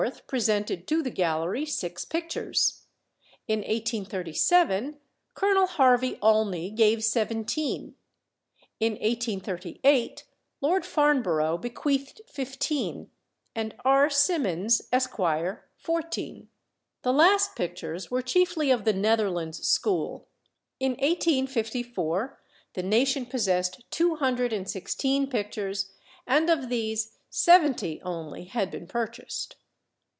presented to the gallery six pictures; in 1837 Colonel Harvey Ollney gave seventeen; in 1838 Lord Farnborough bequeathed fifteen, and R. Simmons, Esq., fourteen. The last pictures were chiefly of the Netherlands school. In 1854 the nation possessed two hundred and sixteen pictures, and of these seventy only had been purchased.